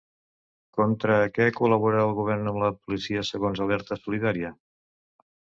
Contra què col·labora el govern amb la policia segons Alerta Solidària?